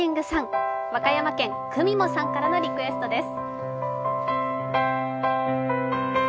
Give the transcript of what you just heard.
和歌山県、くみもさんからのリクエストです。